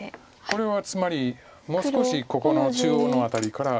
これはつまりもう少しここの中央の辺りから。